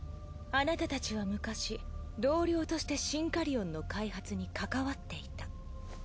あなたたちは昔同僚としてシンカリオンの開発に関わっていた。